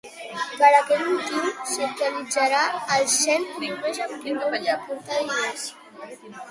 Per aquest motiu, s'actualitzarà el cens només amb qui vulgui aportar diners.